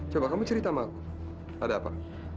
coba kamu cerita sama ada apa